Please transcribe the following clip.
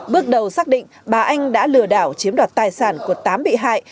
bước đầu xác định bà anh đã lừa đảo chiếm đoạt tài sản của tám bị hại